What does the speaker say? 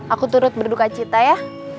aku turut berduka cita ya